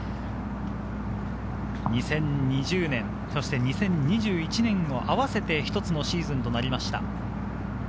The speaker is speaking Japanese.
２０２０年、２０２１年を合わせて一つのシーズンとなりました。